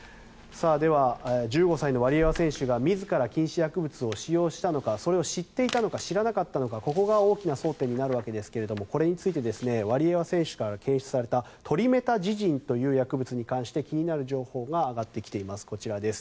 では、１５歳のワリエワ選手が自ら禁止薬物を使用したのかそれを知っていたのか知らなかったのかここが大きな争点になりますがこれについてワリエワ選手から検出されたトリメタジジンという薬物に関して気になる情報が上がってきています。